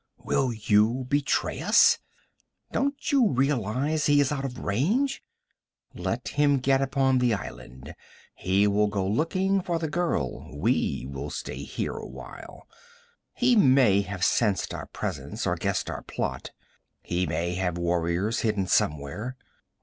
Will you betray us? Don't you realize he is out of range? Let him get upon the island. He will go looking for the girl. We will stay here awhile. He may have sensed our presence or guessed our plot. He may have warriors hidden somewhere.